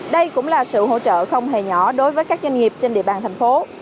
đây cũng là sự hỗ trợ không hề nhỏ đối với các doanh nghiệp trên địa bàn thành phố